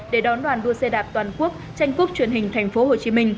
để đón đoàn đua xe đạp toàn quốc tranh cúp truyền hình tp hcm